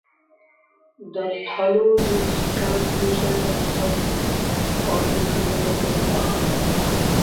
The thallus is translucent and sub-orbicular in outline.